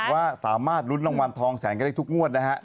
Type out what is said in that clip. ว่าสามารถลุ้นรางวัลทองแสนก็ได้ทุกงวดนะฮะ